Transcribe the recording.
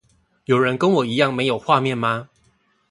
有人跟我一樣沒有畫面嗎？